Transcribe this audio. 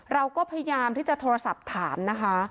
เราก็พยายามที่จะโทรศัพท์ถามนะคะ